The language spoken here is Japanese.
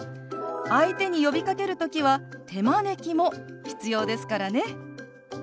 相手に呼びかける時は手招きも必要ですからね。